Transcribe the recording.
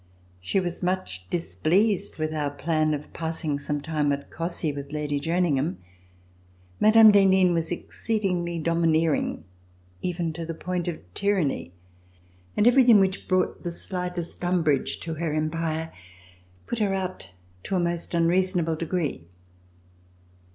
She was much displeased over our plan of passing some time at Cossey with Lady Jerningham. Mme. d'Henin was exceedingly domineering, even to the point of tyranny, and everything which brought the slightest umbrage to her empire put her out to a most unreasonable degree.